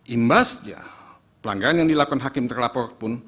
imbasnya pelanggaran yang dilakukan hakim terlapor pun